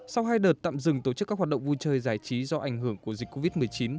sau hai đợt tạm dừng tổ chức các hoạt động vui chơi giải trí do ảnh hưởng của dịch covid một mươi chín